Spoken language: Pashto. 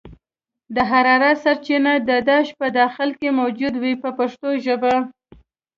د حرارت سرچینه د داش په داخل کې موجوده وي په پښتو ژبه.